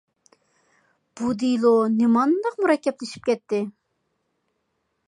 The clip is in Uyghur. بۇ دېلو نېمانداق مۇرەككەپلىشىپ كەتتى!